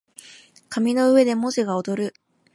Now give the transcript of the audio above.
紙の上で文字が躍る